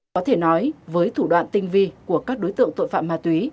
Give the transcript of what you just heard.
có thể nói với thủ đoạn tinh vi của các đối tượng tội phạm ma túy